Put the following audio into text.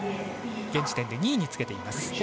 現時点で２位につけています。